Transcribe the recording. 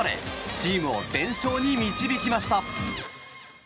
チームを連勝に導きました。